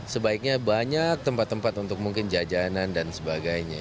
sebaiknya banyak tempat tempat untuk mungkin jajanan dan sebagainya